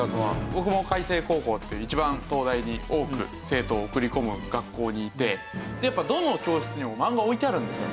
僕も開成高校という一番東大に多く生徒を送り込む学校にいてやっぱどの教室にも漫画置いてあるんですよ。